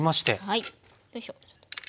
はい。よいしょ。